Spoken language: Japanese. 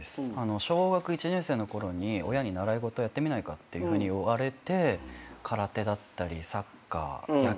小学１年生の頃に親に習い事やってみないかっていうふうに言われて空手だったりサッカー野球とか。